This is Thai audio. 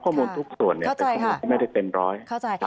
ข้อมูลทุกส่วนเป็นข้อมูลที่ไม่ใช่เป็นร้อย